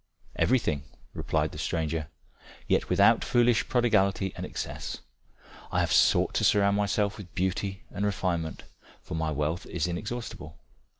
"Everything," replied the stranger. "Yet without foolish prodigality and excess. I have sought to surround myself with beauty and refinement, for my wealth is inexhaustible.